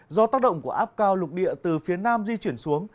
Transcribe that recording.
do tác động của áp cao lục địa từ phía nam di chuyển xuống